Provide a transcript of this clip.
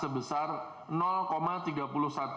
sebagai dampak dari el nino